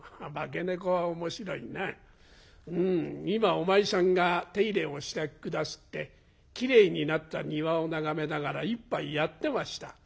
うん今お前さんが手入れをして下すってきれいになった庭を眺めながら一杯やってました」。